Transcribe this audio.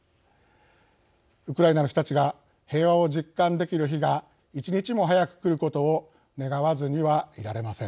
ウクライナの人たちが平和を実感できる日が一日も早く来ることを願わずにはいられません。